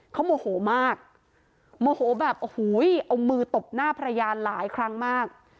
เขาโมโหมากโมโหแบบโอ้โหเอามือตบหน้าภรรยาหลายครั้งมาก